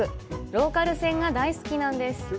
ローカル線が大好きなんです！